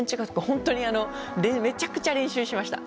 本当にめちゃくちゃ練習しました。